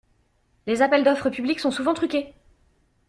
Les appels d'offre publics sont souvent truqués.